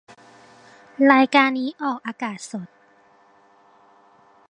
รายการนี้ออกอากาศสด